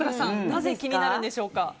なぜ気になるんでしょうか。